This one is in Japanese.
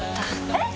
えっ！！